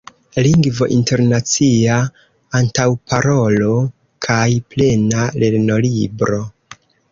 Lingvo Internacia, Antaŭparolo kaj Plena Lernolibro.